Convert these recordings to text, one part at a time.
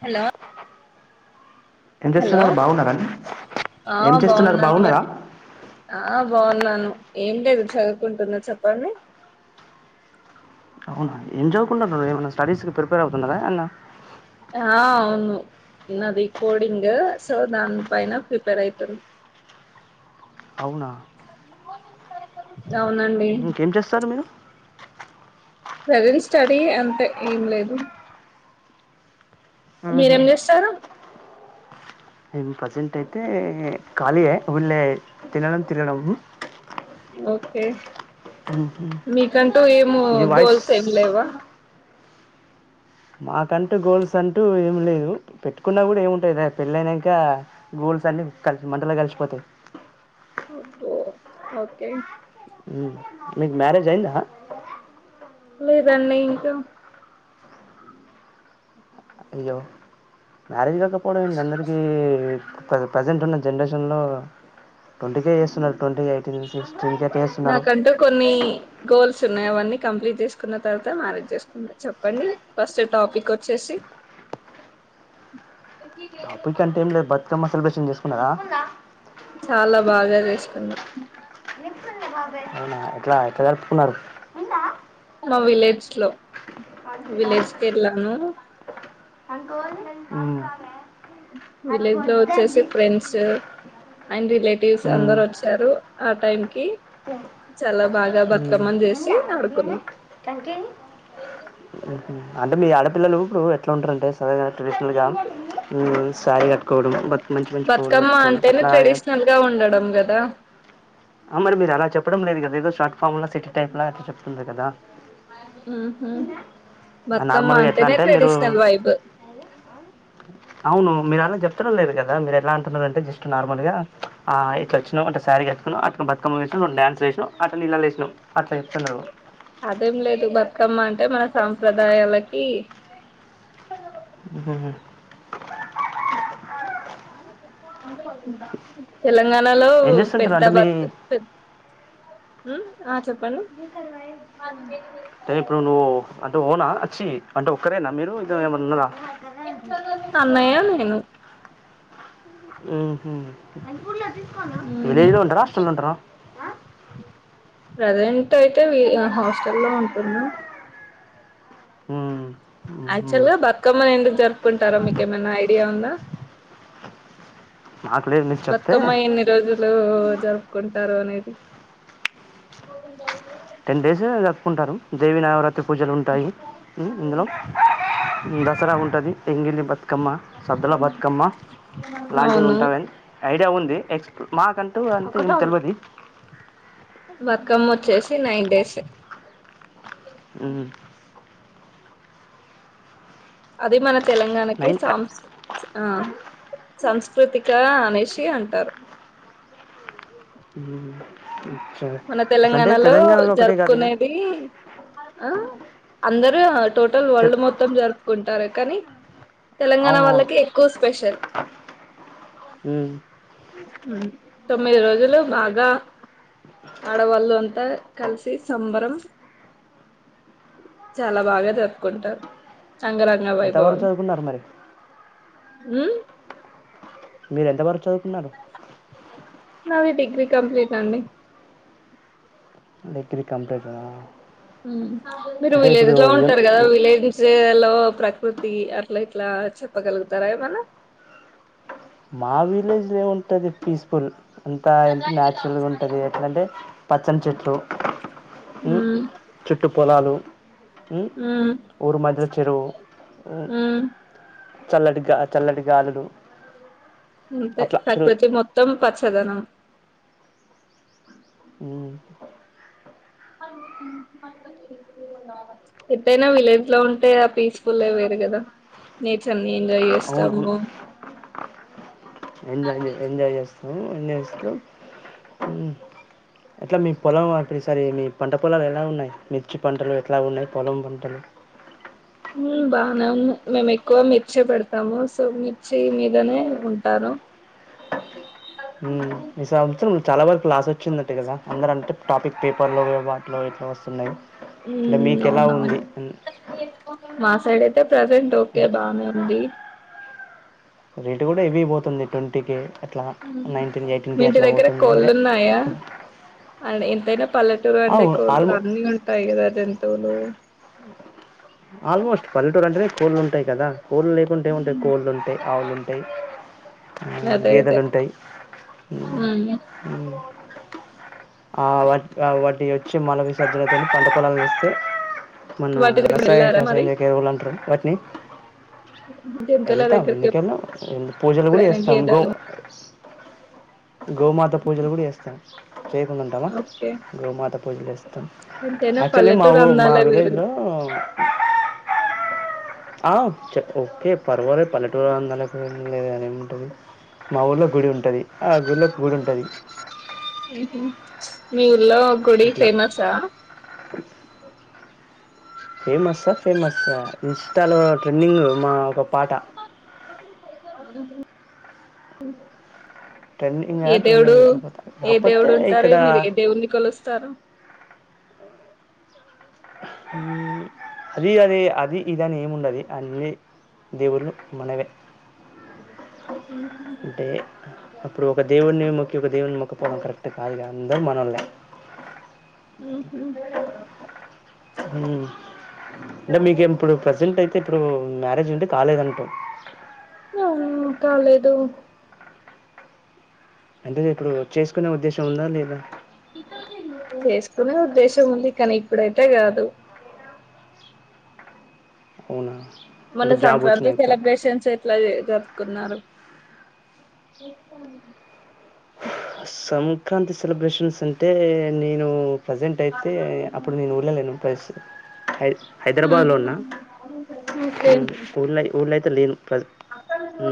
Hello ఏం hello చేస్తున్నారు బాగున్నారా అండి ఆ ఏం చేస్తున్నారు బాఉన్నాను మే బాగున్నారా ఆ బాఉన్నాను ఏం లేదు చదువుకుంటున్న చెప్పండి అవునా ఏం చవుకుంటన్నారు ఏమైనా స్టడీస్ కి ప్రిపేర్ అవుతున్నారా అన్న ఆ అవునున్నది కోడింగ్ సో దాని పైన ప్రిపేర్ అయితుంది అవునా అవునండి ఇంకేం చేస్తారు మీరు ప్రెజెంట్ స్టడీ అంతే ఏం లేదు మ్మ్హ. మీరేం చేస్తారు ప్రజెంట్ అయితే ఖాళీయే ఊళ్ళే తినడం తిరగడం ఓకే మ్మ్. మీకంటూ ఏము మీ వాయిస్ గోల్స్ ఏం లేవా మాకంటూ గోల్స్ అంటూ ఏం లేదు పెట్టుకున్న కూడా ఏముంటుందిద పెళ్ళయినంకా గోల్స్ అన్ని కలిసి మంటలో కలిసిపోతాయి ఓ ఓకే మీకు మ్యారేజ్ అయిందా లేదండి ఇంకా అయ్యో మ్యారేజ్ కాక్ కపోవడం ఏంటి అందరికీ ప్రజెంట్ ఉన్న జనరేషన్లో ట్వంటీ కే చేస్తున్నారు ట్వంటీ ఎయిటీన్ సిక్స్టీన్ కే చేస్తున్నారు ల్సున్నాయి అవన్నీ కంప్లీట్ చేసుకున్న తర్వాత మారేజ్ చేసుకుంట చెప్పండి ఫస్ట్ టాపిక్ వచ్చేసి టాపికంటెంలేదు బతుకమ్మ సెలబ్రేషన్ చేసుకున్నారా చాలా బాగా చేసుకున్నా అవునా ఎట్లా ఎట్లా జరుపుకున్నారు మా విలేజ్ లో విలేజ్ కెళ్ళాను మ్మ్. విలేజ్ లో వచ్చేసి ఫ్రెండ్స్ అండ్ రిలేట్ టివ్స్ మ్మ్. అందరు వచ్చారు ఆ టైం కి చాలా బాగా మ్మ్. బతుకమ్మని చేసి ఆడుకున్నాం మ్మ్. అంటే మీ ఆడపిల్లలు ఇప్పుడు ఎట్లా ఉంటారంటే సర ట్రెడిషనల్గ మ్మ్ శారీ కట్టు బతుకమ్మ అంటేనే చేస్- ట్రెడిషనల్ గా ఉండడం కదా అమరి మీరు అలా చెప్పడం లేదు కదా ఏదో స్టార్ట్ మ్మ్ హ్మ్ బతుకమ్మ నార్మల్గా ఎట్లా అంటేనే అంటే మీరు ట్రెడిషనల్ వైబ్ అవును మీరు అలా చెప్తుడం లేదు కదా మీరు ఎలా అంటున్నన్నారు అంటే జస్ట్ నార్మల్ గా ఆ ఇట్లచ్చినం అంటే శారీ కట్టుకున్నాం అ బతుకమ్మ పెట్టి రెండు డాన్సులు చేసినం అట్ ఇలా లేసినమ్ అట్లా చెప్తన్నారు తుకమ్మ అంటే మన సాంప్రదాయాలకి హ్మ్ తెల తెలంగాణలో ఏం చేస్తుంటారు పెద్ద అంటే మీ బతు పెద్ మ్మ్ ఆ చెప్పండి అదే ఇప్పుడు నువ్వు అంటే ఓనా చ్చి అంటే ఒక్కరేనా మీరు ఇద్దరు ఏమన్న ఉన్నరా అన్నయ్య హలో హు హ్మ్ ఉమ్ విలేజ్ లో ఉంటారా హాస్టల్లో ఉంటారా ప్రజెంట్ అయితే వి హా హాస్టల్ల్లో ఉంటున్నా హ్మ్. హుహు. యాక్చువల్ గా బతుకమ్మని ఎందుకు జరుపుకుంటారో మీకేమైనా ఐడియా ఉందా. మాకు లేదు మీరు చెప్తే బతుకమ్మ ఎన్ని రోజు లో జరుపుకుంటారు అనేది టెన్ డేస్ జరుపుకుంటారు దేవి నవరాత్రి పూజలు ఉంటాయి హు ఇందులో దసరా ఉంటది ఎంగిల్లి బత్ కమ్మ సద్దల బతుకమ్మ లాంటివి అవును ఉంటావ్ అని ఐడియా ఉంది ఎక్స్ మాకంటూ అంటూ ఏం తెల్ వది బక్కమ్మ వచ్చేసి నైన్ డేస్ హ్మ్ అదే మన తెలంగాణ కి నైన్ సాంస్రు ఆ సంస్కృతిక అనేషి అంటారు మ్మ్. సరే. మన అట్లంటే తెలంగాణలో ఒకటే కాదు ఇక జరుపుకునేది ఆ అందరు హా టోటల్ తె- వరల్డ్ మొత్తం జరుపుకుంటారైతే కనీ తెలంగాణ అవునవును వాళ్ళకి ఎక్కువ స్పెషల్ హ్మ్ తొమ్మిది రోజులు బాగా ఆడవాళ్ళు అంత కలిసి సంబరం చాల బాగా జరుపుకుంటారు అంగరక ఎంతవరకు చదువుకున్నరు మరి హ్మ్ మీర ఎంత వరకు చదువుకున్నారు నాది డిగ్రీ కంప్లీట్ అండి డిగ్రీ కంప్లీట్ ఆ హ్మ్ మీరు విలేజ్ లో ఉంటరు కదా మ్- విలేజ్ లో ప్రకృతి అట్ల ఇట్లా చెప్పగలుగుతార ఏమన్న మా విలేజ్ లోముంటుది పీస్ఫుల్ అంతా ఏంటి న్యాచురల్గా ఉంటది, ఎట్లాంటే పచ్చని చెట్లు హ్ ఉమ్ చుట్టు పొలాలు. హ్ ఉమ్ ఊరు మధ్యల చెరువు ఉమ్ చల్లటిగా చల్లటి గాలులు అంతే అట్లా తిరుగు కాకపోతే మొత్తం పచ్ చలనం మ్మ్ ఎత్తయినా విలేజ్ లో ఉంటే ఆ పీస్ఫుల్ వేరు కదా నేచర్ ని ఎంజాయ్ చేస్తాము అవునవును బో ఎంజాయ్ చే ఎంజాయ్ జేస్ ఒ నెవస్తే ఉ అ ఎట్లా మీ పొలం ఇప్పుడు ఈ సారి మీ పంట పొలాలు ఎలా ఉన్నాయి మిర్చి పంటలు ఎట్లా ఉన్నాయి పొలం పంటలు ఊ బానే ఉన్నాయ్ మేము ఎక్కువ మిర్చి పెడతాము సో మిర్చి మీదనే ఉంటారు మ్మ్ ఈ సంవత్సరం చాలా వరకు లాస్ వచ్చిందట్టటు కదా అందరు అంటే టాపిక్ పేపర్లో వాటిలో ఎట్లా వస్తున్నాయి అట్ల ఉమ్ మీకు ఎలా ఉంది అవునవును అని మా సైడ్ ఐతే ప్రజెంట్ ఓకే బానే ఉంది రేటు కూడా ఎవీ పోతుంది ట్వంటీ కె మీ ఇంటి దగ్గర మరి కొళ్ళున్నాయా అడ ఎంతైనా పల్లెటూరు అంటే కోళ్లు ఆల్మో అన్నీ ఉంటాయి కదా జంతువులు ఆల్మోస్ట్ పల్లెటూరు అంటే కోళ్ళు ఉంటాయి కదా కోళ్ళు లేకుంటే ఏముంటాయి ఉమ్ కోళ్ళు ఉంటాయి ఆవులు ఉంటాయి ఆ అదే అదే గేదెలు ఉంటాయి ఉ హ్మ్ ఉ ఆ వటి వాటి ఒచ్చి మలవిసర్జనతోని పంటపొలలు వస్తే మన వాటి దగ్గర వెళ్ళారా మరి రసాయకసందు ఎరువులు అంటారు వట్నీ జంతువుల వెళ్తాం దగ్గరికి ఎందుకు వెళ్ళాం ఒ ఎ పూజలు కూడా ఎప్పుడైనా ఇస్తాం గో గేదెలు గోమాత పూజలు కూడా చేస్తాం చేయకుండా ఉంటామా ఓకే గోమాత వొదిలేెస్ ఎంతైనా యాక్చువల్లీ మా పల్లెటూరు ఊ మా అందాలే వేరు విలేజ్ లో ఆ చెప్పు ఓకే పర్వాలే పల్లెటూరు అందాల ఏం లెదుగాని ఏముంటది మా ఊళ్లో గుడి ఉంటది ఆ గులో పూజ ఉంటది మీ ఉలో గుడి ఇట్లా ఫేమస్ ఆ ఫేమస్స ఫేమస్ ఇన్స్టాలో ట్రెండింగ్ మా ఒక పాట [unintelligible] ట్రెండింగా ఏ దేవుడు ట్రెండింగ్ కాకపోతే ఏ కాకపోతే దేవుడు ఉంటారు ఇక్కడ మీరు ఏ దేవుడిని కొలుస్తారు ఉమ్ అది అదే అది ఇదని ఏముండది అన్నీ దేవులు మనవే ఆ అంటే అప్పుడు ఒక దేవుణి ఒకే ఒక దేవున్ని మొక్కపోవడం కరెక్ట్ కాదు అందరూ మనోళ్లే. ఉహ్ హ్ అంటే మీకిప్పుడు ప్రజెంట్ అయితే ఇప్పుడు మ్యారేజ్ ఉంటే కాలేదంటవు. అవును కాలేదు. అంటే ఇప్పుడు చేసుకునే ఉద్దేశం ఉందా లేదా. చేసుకునే ఉద్దేశం ఉంది కానీ ఇప్పుడైతే కాదు. అవునా మన అంటే జాబ్ సంక్రాంతి వచ్చినాక సెలిబ్రేషన్స్ ఎట్లా జరుపు కున్నారు. సంక్రాంతి సెలబ్రేషన్స్ అంటే నేను ప్రజెంట్ అయితే అప్పుడు నేను ఊళ్ళ లేను ప్లస్ హై హైదరాబాద్లో ఉహు ఉన్నా హ్ ఓకే ఊళ్ళ ఊళ్ళ అయితే లేను ప్ర హ్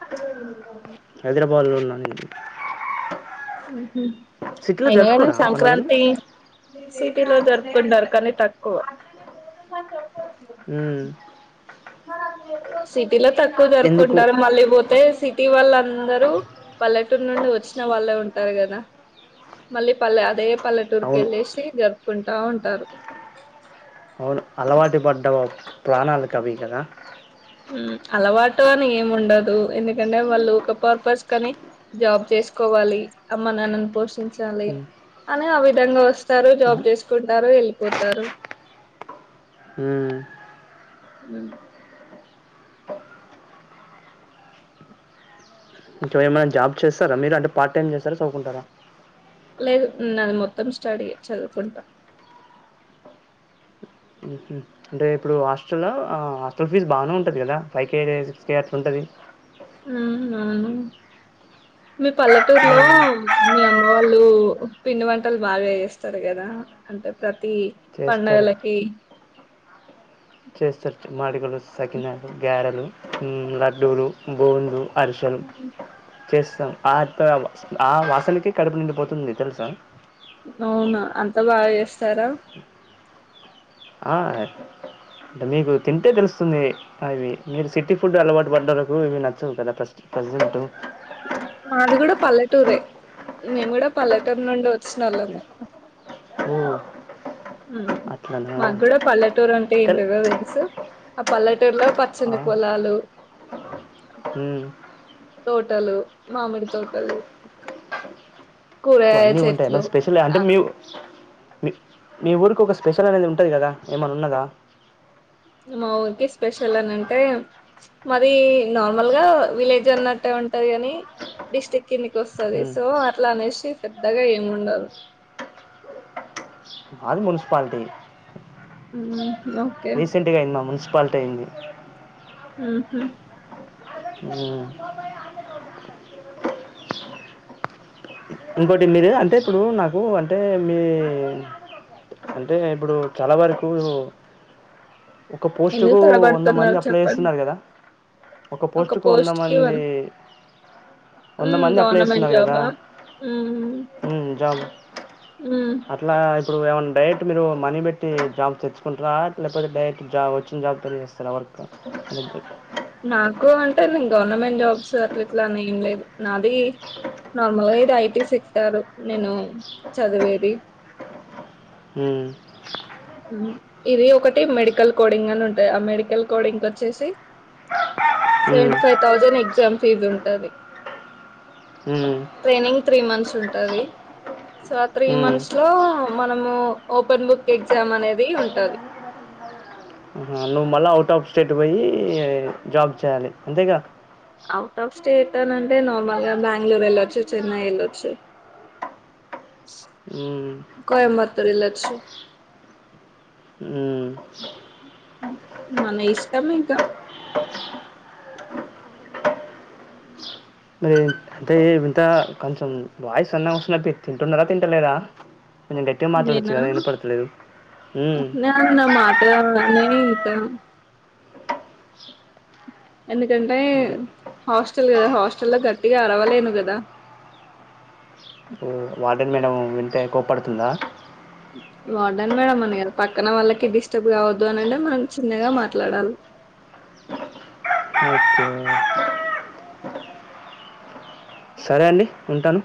అ హైదరాబాద్ లో ఉన్నా నేను. హుహ్ సిటీలో అయిన కానీ జరుపుకోరా పండుగలు సంక్రాంతి సిటీలో జరుపుకుంటారు కాని తక్కువ హ్ సి టిలో తక్కువ ఎందుకు జరుపుకుంటారు మళ్ళీ పోతే సిటీ వల్లా అందరు పల్లెటూరు నుండి వచ్చిన వాళ్ళే ఉంటారు కదా. మళ్ళీ పల్లె అదే అవును పల్లెటూర్కెల్లేసి జరూ కుంటా ఉంటారు. అవును అలవాటు పడ్డ ప్రాణాలకవి కదా. హ్ అలవాటు అని ఏం ఉండదు. ఎందుకంటే వాళ్ళు ఒక పర్పస్ కని జాబ్ చేసుకోవాలి. అమ్మ నాన్నని పోషిం చాలి ఉమ్, అనీ అవి విధంగా వస్తారు. జాబ్ ఉమ్, చేసుకుంటారు. ఎళ్ళిపోతారు. హ్ [inaudible] ఇంక ఏమైనా జాబ్ చేస్తారా. మీరు అంటే పార్ట్ టైమ్ చేస్తారా. చదువుకుంటారా. లేదు నాది మొత్తం స్టడీయే చదువుకుంటా. ఉమ్, ఉమ్. అంటే ఇప్పుడు హాస్టల్లా హాస్టల్ ఫీజ్ బాగానే ఉంటుంది కదా ఫైవ్ కే, సిక్స్ కే అట్లా ఉంటది. హ్ మీ పల్లెటూరులో మీ అమ్మ వాళ్ళు పిండి వంటలు బాగా చేస్తారు కదా అంటే ప్ర తి పండగలకి చేస్తరు మాడికలు, సకినాలు, గారెలు హ్ లడ్డూలు, బూందు. అరిసేలు చేస్తాం. ఆతన ఆ వాసనకి కడుపు నిండిపోతుంది తెలుసా. అవునా అంత బాగా చేస్తారా. ఆ అంటే మీకు తింటే తెలుస్తుంది అవి. మీరు సిటీ ఫుడ్ అలవాటు పడ్డోలకు ఇవి నచ్చవు కదా ప్ర ప్రజెంటు. మాది కూడా పల్లెటూరే. మేము కూడా పల్లెటూరు నుండి వచ్చినోళ్ళమే. ఓ హ్ అట్లనా మాకు కూడా పల్లెటూరు అంటే కానీ ఏంటిదొ తెలుసు. ఆ పల్లెటూరులో పచ్చనీ పొలాలు హ్మ్ తోటలు మామిడి తోటలు సొ కూరగాయ అన్నీ ఉంటాయి చెట్లు ఎమన్నా స్పెషల్ అంటే ఆ మీ మీ మీ ఊరికి ఒక స్పెషల్ అనేది ఉంటాది కదా ఏమన్నా ఉన్నదా మా ఊరికి స్పెషల్ అని అంటే మాది నార్మల్గా విలేజ్ అన్నట్టే ఉంటుంది కాని డిస్ట్రిక్ట్ కిందికి వస్తుంది ఉమ్. సో అట్లా అనేసి పెద్దగా ఏం ఉండదు మాది మున్సిపాలిటీ హ్మ్ రీసెంట్గా అయిందా మున్సి పాల్ట్ అయ్యింది ఉహు ఉ ఇంకోటి మీరు అంటే ఇప్పుడు నాకు అంటే మీ అంటే ఇప్పుడు చాలా వరకు ఒక్క పోస్ట్ ఎందుకు కు వంద మంది తడబడుతున్నారు అప్లై చెప్పండి చేస్తున్నారు కదా ఒక పోస్ట్కు వంద మంది ఆ గవర్నమెంట్ జాబా మ్మ్ అవున్ జాబ్ మ్మ్ అట్లా ఇప్పుడు [unintelligible] ఏమై డైరెక్ట్ మీరు మనీ పెట్టి జాబ్ తెచ్చుకుంటిర లేకపోతే డైరెక్ట్ జాబ్ వచ్చిన జాబ్ చెస్తారా వర్కు లేకపొతే నాకు అంటే గవర్నమెంట్ జాబ్స్ అట్లా ఎట్లా అట్లా అని ఏం లేదు నాది నార్మల్గా అయితే ఐటీ సెక్టారు నేను చదివేది హ్మ్ ఇది ఒకటి మెడికల్ కోడింగ్ అని ఉంటాంది ఆ మెడికల్ కోడింగ్ కు వచ్చేసి మ్మ్, సెవెంటీ ఫైవ్ థౌజండ్ ఎగ్ ఎగ్జామ్ ఫీజ్ ఉంటంది మ్మ్, ట్రైనింగ్ త్రీ మంత్స్ ఉంటాది సో ఆ త్రీ మ్మ్. మంత్స్ లో మనము ఓపెన్ బుక్ ఎగ్జామ్ అనేది ఉంటది ఆహా, నువ్వు మళ్ళా అవుట్ ఆఫ్ స్టేట్ పోయి జాబ్ చేయాలి అంతేగా అవుట్ హౌస్ స్టేట్ అని అంటే నార్మల్ గా బెంగళూరు వెళ్లొచ్చు చెన్నై వెళ్లొచ్చు మ్మ్, కోయంబత్తూర్ వెళ్లొచ్చు మ్మ్. మన ఇష్టం ఇంకా మరి అంటే ఇంత కొంచెం వాయిస్ సన్నాగ వస్తుంది తింటున్నారా తింటలేరా కొంచెం గట్టిగా మాట్లాడొచ్చు నేనా కదా వినపడతలేదు. న హ్మ్. [unintelligible] న్న మాటలే లేయిత ఎందుకంటే అదే హాస్టల్ కదా హాస్టల్ లో గట్టిగా అరవలేను కదా వాటని మేనము వింటే కోప్పడుతుందా వాడన్ మేడం అనదా పక్కన వాళ్ళకి డిస్టర్బ్ కావద్దు అనింటే మనం చిన్నగా మాట్లాడాలి ఓకే. సరే అండి ఉంటాను